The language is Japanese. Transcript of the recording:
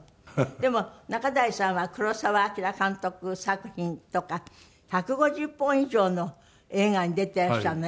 でも仲代さんは黒澤明監督作品とか１５０本以上の映画に出てらっしゃるの？